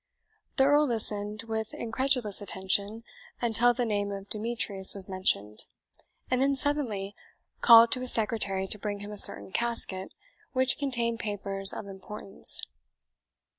The Earl listened with incredulous attention until the name of Demetrius was mentioned, and then suddenly called to his secretary to bring him a certain casket which contained papers of importance.